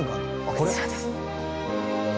こちらです。